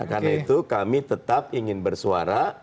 karena itu kami tetap ingin bersuara